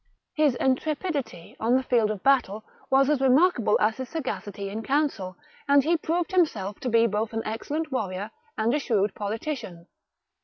His intrepidity on the field of battle was as remarkable as his sagacity in council, and he proved himself to be both an excellent warrior and a shrewd politician.